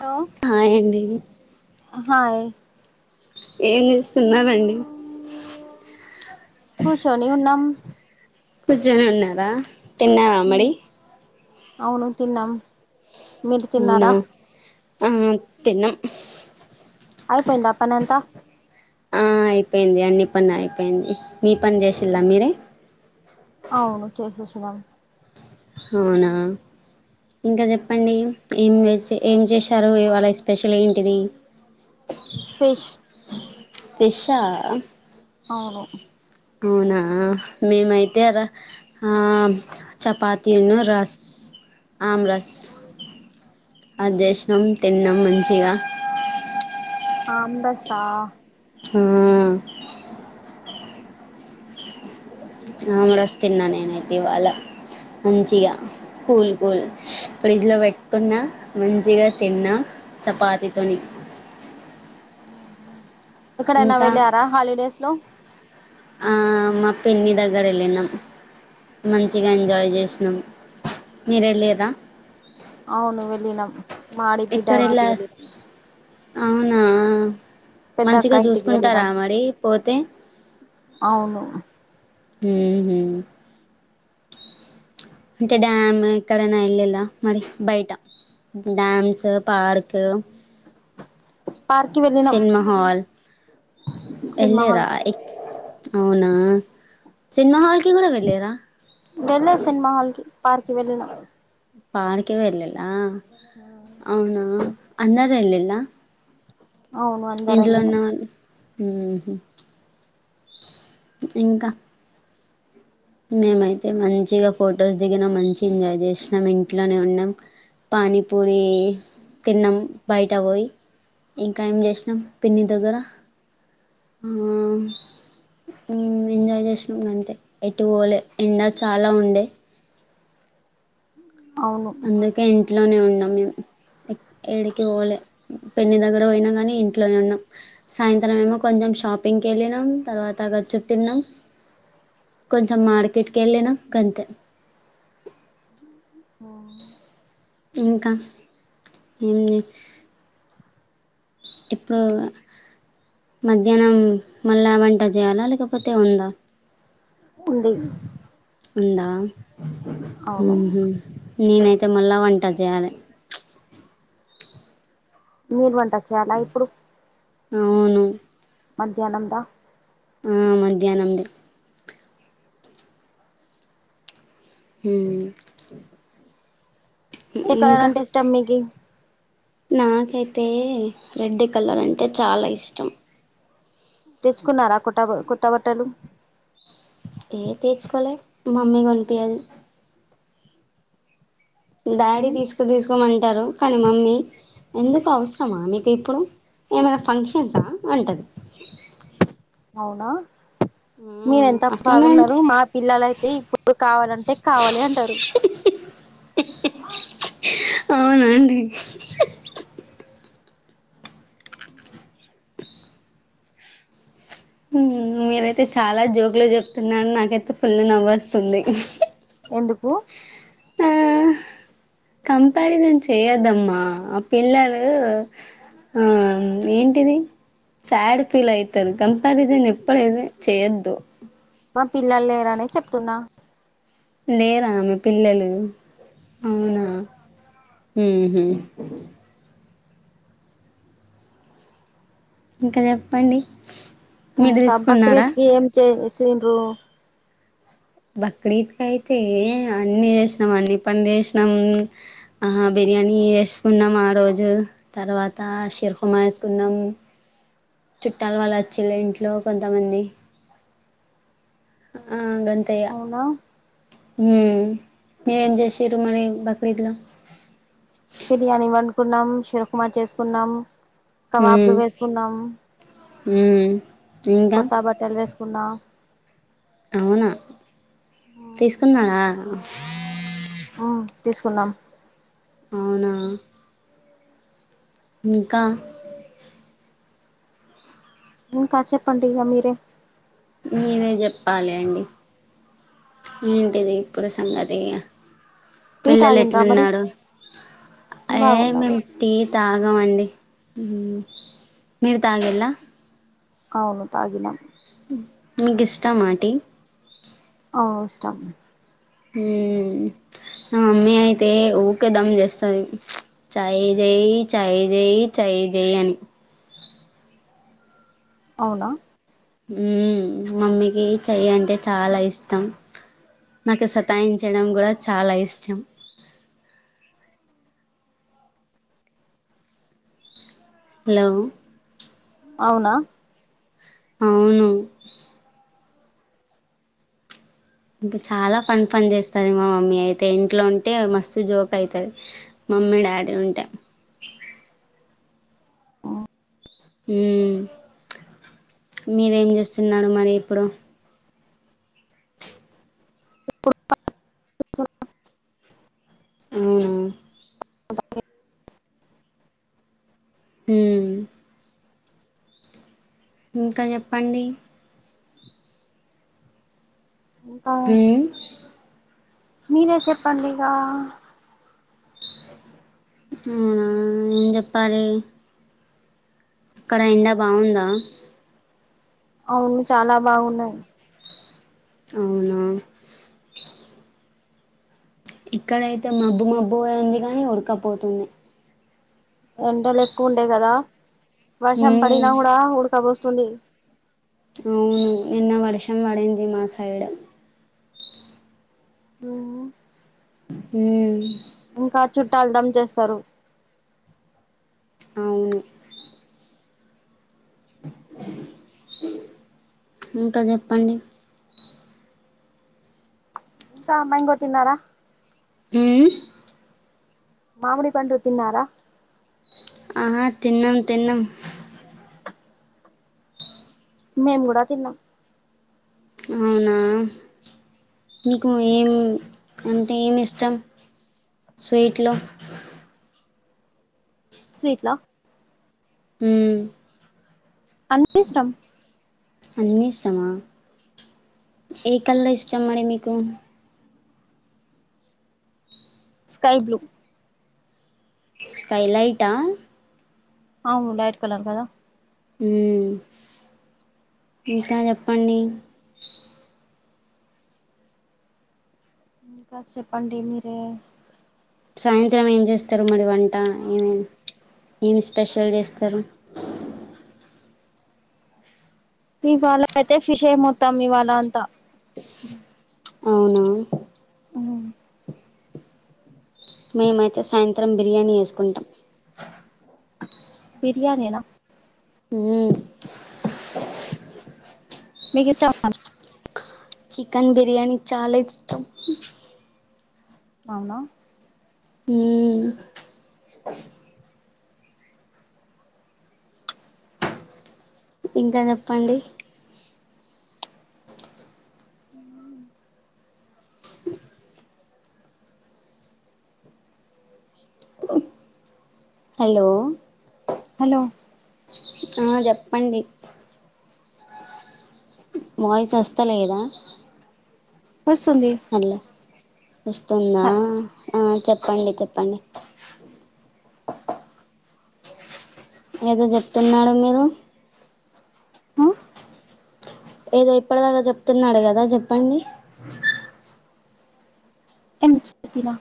Hello hi అండి hi ఏమి ఇస్తున్నామండి కూర్చొని ఉన్నాం కూర్చని ఉన్నారా తిన్నార అమ్మడి ఉమ్ అవును తిన్నాం మీరు అవునా తిన్నారా ఆ తిన్నం అయిపోయింద పని అంత ఆ అయిపోయింది అన్ని పని అయిపోయింది మీ పని చేసిలా మీరే అవును చేసేసినాం అవునా ఇంకా చెప్పండి ఏం వెజ్ ఏం చేసినారు ఈ వాళ్ళ ఎస్పెషల్ ఏంటిది ఫిష్ ఫెషా ఉహు అవునా మేమైతే ర ఆ చపాతీలు రస్ ఆమ్రస్ ఆ జేషినం తిన్నం మంచిగా ఆం రస్ ఆ ఆ ఆం రస్ తిన్నా నేనైతే ఇవాళ మంచిగా కూల్ కూల్ ఇప్పుడు ఫ్రిడ్జ్ లో పెట్టుకున్న మంచిగా తిన్న చపాతితోని ఎక్కడైనా వెళ్ళారా హాలిడేస్ లో ఆ మా పిన్ని దగ్గర వెళ్ళినం మంచిగా ఎంజాయ్ చేసినాం మీరేల్లిరా అవును వెళ్ళినం మా డి బిడ్డ ఎక్కడ ఇంటికి వెళ్ళారు వెళ్ళినాం అవునా పెద్ద మంచిగా అక్క ఇంటికి వెళ్ళినాం చూసుకుంటారా మరి పోతే అవును ఉహు అంటే డ్యామ్ ఎక్కడైనా ఎల్లిలా మరి బయట డామ్స్ పార్క్ పార్క్ కి వెళ్ళినాం సినిమా హాల్ సినిమా హాల్ ఎల్లిరా ఎక్ అవునా సినిమా హాల్ వెళ్ళే సినిమా హాల్కి పార్కి వెళ్ళిన పార్కి వెళ్లేలా అవునా అందరు వెళ్ళళ్ల అవును ఉన్న అందరెల్లినం వాళ్ళు ఉహు ఇంకా మేమైతే మంచిగా ఫొటోస్ దిగినాం మంచి ఎంజాయ్ చేసినాం ఇంట్లోనే ఉన్నాం పానిపూరి తిన్నం బయట పోయి ఇంకా ఏం చేసినాం పిన్ని దగ్గర ఆ ఎంజాయ్ చేసినాం అంతే ఇటుపోలే ఎండ చాలా ఉండే అవును అందుకే ఇంట్లోనే ఉన్నాం మేము ఏడికి పోలే పిన్ని దగ్గర పోయినాం కాని ఇంట్లోనే ఉన్నాం సాయంత్రం ఏమో కొంచెం షాపింగ్కి వెళ్ళినం తర్వాతగా చూ తిన్నాం కొంచెం మార్కెట్కి వెళ్ళిన గంతే ఇంకా ఎన్ని ఇప్పుడు మధ్యాహ్నం మళ్ళా వంట జేయాలా లేకపోతే ఉందా ఉంది ఉందా అవును ఉహు నేనైతే మళ్ళా వంట జేయాలే వంట చేయాలా ఇప్పుడు అవును మధ్యాహ్నందా ఆ మధ్యాహ్నంది ఉ ఏ కలర్ అంటే ఇష్టం మీకి నాకైతే రెడ్ కలర్ అంటే చాలా ఇష్టం తెచ్చుకున్నారా కొత్తబ కొత్త బట్టలు ఏ తెచ్చుకోలే మమ్మీకోనిపియ డాడీ తీసుకు తీసుకోమంటారు కానీ మమ్మీ ఎందుకు అవసరమా మీకు ఇప్పుడు ఏమైనా ఫంక్షన్సా అంటది అవునా ఉ మీరు ఎంత బాగున్నారు మా పిల్లలు అయితే ఇప్పుడు కావాలంటే కావాలి అంటరు అవున అండి మీరైతే చాలా జోకులే చెప్తున్నారు నాకైతే ఫుల్ నవ్వొస్తుంది ఎందుకు ఆ కంపారిజన్ చేయదమ్మా ఆ పిల్లలు ఆ ఏంటిది సాడ్ ఫీల్ అయితరు కంపారిజన్ ఎప్పుడైతే చేయొద్దు మా పిల్లలు లేరనే చెప్తున్నా లేేరా మీ పిల్లలు అవునా లేరు ఉహు ఇంక చెప్పండి మీరు తీసుకున్నారా తబకరీట్కి ఏం చేసింరు బక్రీద్ కు అయితే అన్ని చేసినాం అన్ని పని చేసినాం ఆ బిర్యానీ వేసుకున్నాం ఆరోజు తర్వాత సెల్ఫ్ మా చేసుకున్నాం చుట్టాల వాళ్ళు వచ్చిళ్ళు ఇంట్లో కొంతమంది అవునా హూ మీరు ఎం చేసిరు మరి బక్రీద్ లో బిర్యానీ వండుకున్నాం షీరుకుమా చేసుకున్నాం కవాబులు ఉమ్ వేసుకున్నం ఉమ్ ఇంకా కొత్త బట్టలు వేసుకున్నా. అవునా తీసుకున్నారా. ఆహ్ తీసుకున్నాం. అవునా. ఇంకా. ఇంకా చెప్పండి ఇక మీరే. మీరే చెప్పాలి అండి ఏంటిది ఇప్పుడు సంగతి. టీ పిల్లలు తాగిండ్రా మరి ఎట్లున్నారు ఏ బాగున్నారు మేము టీ తా. తాగమండి మీరు తాగింలా. అవును తాగినం. మీకు ఇష్టమా టీ. ఆహ్ ఇష్టం. ఉమ్. నా మమ్మీ అయితే ఊకే దమ్ చేస్తంది ఫ్చ్ చాయ్ జయి చాయ్ జయి చాయ్. ఏ జేయు అని అవునా. మమ్మీకి చెయ్ అంటే చాలా ఇష్టం. నాకు సతాయించయడం కూడా చాలా ఇష్టం. హలో. అవునా. అవును. ఇంకా చాలా పని పని చేస్తది మా మమ్మీ అయితే ఇంట్లో ఉంటే మస్తు జోక్ అయితది. మమ్మీ డాడీ ఉంటే. ఉమ్. ఉమ్ మీరేం చేస్తున్నారు మరి ఇప్పుడు. ఇప్పుడు పని చేస్. అవునా. ఉమ్. ఇంకా చెప్పండి. ఇంకా మ్మ్ మీరే చెప్పండి ఇంకా. ఉమ్ ఏం చెప్పాలి. అక్కడ ఎండా బాగుందా. అవును చాలా బాగున్నాది. అవునా. ఇక్కడైతే మబ్బు మబ్బు అయింది గాని ఉడకపోతుంది. ఎండలు ఎక్కువ ఉండేయి కదా వర్షం మ్మ్ పడినా కూడా ఉడకబోస్తుంది. అవును నిన్న వర్షం పడింది మా సైడ్. అవునా. ఉమ్. ఇంకా చుట్టాలు దమ్ చేస్తారు. అవును. ఇంకా చెప్పండి. ఇంకా మ్యాంగోస్ తిన్నారా. ఉమ్. మామిడిపండు తిన్నారా ఆహా తిన్నం తిన్నం మేము కూడా తిన్నాం అవునా మీకూ ఏం అంటే ఏమి ఇష్టం స్వీట్లు స్వీట్ లా ఉ అన్ని ఇష్టం అన్నీ ఇష్టమా ఏ కలర్ ఇష్టం మరి మీకు స్కై బ్లూ స్కైలైట్ ఆ అవును లైట్ కలర్ కదా ఉ ఇంకా చెప్పండి ఇంకా చెప్పండి మీరే సాయంత్రం ఏం చేస్తారు మరి వంట ఏమే ఏమి స్పెషల్ చే త్తర ఇవాళ అయితే ఫిష్ ఏ మొత్తాం ఇవాళ అంతా అవునా ఓ మేమైతే సాయంత్రం బిర్యానీ చేసుకుంటాం బిర్యానీ నా మ్మ్ మీకు ఇష్టమ్ చికెన్ బిర్యానీ చాలా ఇష్టం అవునా ఉ ఇంకా చెప్పండి హలో హలో ఆ చెప్పండి వాయిస్ వస్తాలేదా వస్తుంది వస్తుందా ఆ చెప్పండి చెప్పండి ఏదో చెప్తున్నాడు మీరు ఏదో ఇప్పటిదాకా చెప్తున్నాడు కదా చెప్పండి ఎమ్ చెప్పనా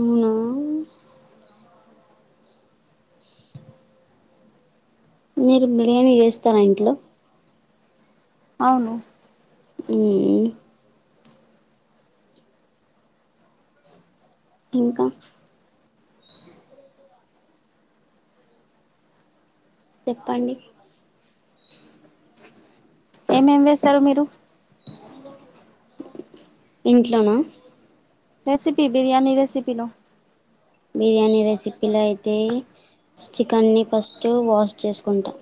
అవునా మీరు బిర్యానీ చేస్తారా ఇంట్లో అవును ఉమ్ ఇంకా చెప్పండి ఏమేం వేస్తారు మీరు ఇంట్లోన రెసిపీ బిర్యానీ రెసిపీలో బిర్యానీ రెసిపీలో అయితే చికెన్ని ఫస్ట్ వాష్ చేసుకుంటా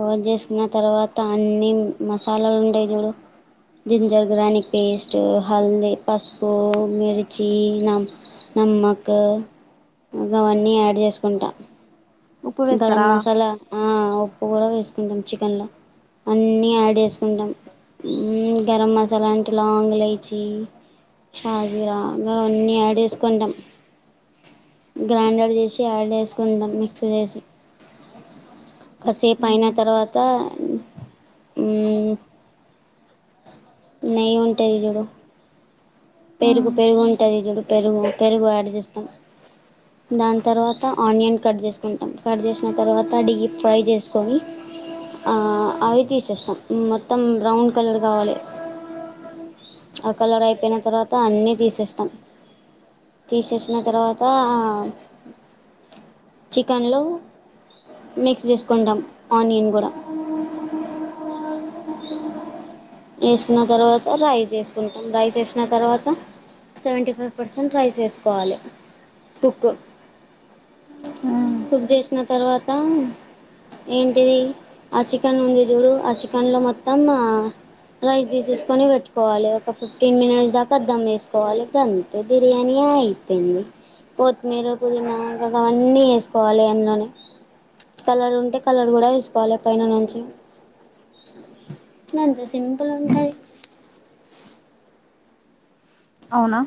వాష్ చేసుకున్న తర్వాత అన్ని మసాలాలు ఉంటై చూడు జింజర్ గ్రానీక్ పేస్ట్ హల్దీ పసుపు మర్చి నం నమ్మక్ అవన్నీ యాడ్ చేసుకుంటా ఉప్పు గరం వేస్తారా మసాలా ఆ ఉప్పు కూడా వేసుకుంటాం చికెన్ల అన్ని యాడ్ చేసుకుంటాం గరం మసాలా అంటే లావాంగ్ ఇలాచి షాజీరా మేం అన్నీ యాడ్చేసుకుంటాం గ్రైండర్ చేసి యాడ్ చేసుకుంటాం మిక్స్లో ఎసి కాసేపు అయిన తర్వాత ఉం నెయ్ ఉంటాది చూడు పెరుగు పెరుగు ఉంటుంది చూడు పెరుగు పెరుగు యాడ్ చేస్తాం దాని తర్వాత ఆనియన్ కట్ చేసుకుంటాం కట్ చేసిన తర్వాత డీప్ ఫ్రై చేసుకొని అవి తీసేస్తాం మొత్తం బ్రౌన్ కలర్ కావాలె ఆ కలర్ అయిపోయినతర్వాత త అన్నీ తీసేస్తాం తీసేసిన తర్వాత ఆ చికెన్లో మిక్స్ చేసుకుంటాం ఆనియన్ కూడా ఏసిన తర్వాత రైస్ వేసుకుంటాం రైస్ వేసిన తర్వాత సెవెంటీ ఫైవ్ పర్సెంట్ రైస్ ఎసుకోవాలె కుక్ కుక్ చేసిన తర్వాత ఏంటిది ఆ చికెన్ ఉంది చూడు ఆ చికెన్లో మొత్తం రైస్ తీసేసుకొని పెట్టుకోవాలె ఒక ఫిఫ్టీన్ మినిట్స్ దాకా అద్దమ్ వేసుకోవాలి అంతే బిర్యానీ అయిపోయింది కొత్తిమీర పుదీనా అవన్నీ వేసుకోవాలి అందులోనే కలర్ ఉంటే కలర్ కూడా వేసుకోవాలి పైన నుంచి గంతే సింపుల్ ఉంటాయి అవునా